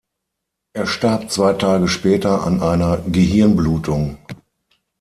Er starb zwei Tage später an einer Gehirnblutung.